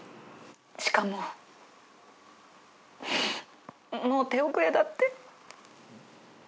しかももう手遅れだって。